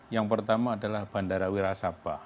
yang pertama adalah bandara wirasapa